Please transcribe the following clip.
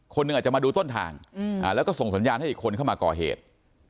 หนึ่งอาจจะมาดูต้นทางแล้วก็ส่งสัญญาณให้อีกคนเข้ามาก่อเหตุ